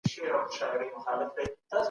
په خپلو کي صادق واوسئ.